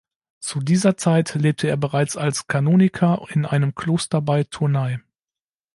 Zu dieser Zeit lebte er bereits als Kanoniker in einem Kloster bei Tournai.